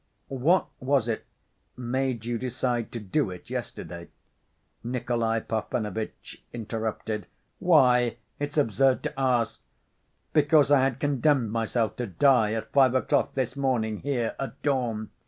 "What was it made you decide to do it yesterday?" Nikolay Parfenovitch interrupted. "Why? It's absurd to ask. Because I had condemned myself to die at five o'clock this morning, here, at dawn.